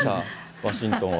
ワシントンは。